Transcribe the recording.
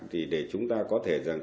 thì để chúng ta có thể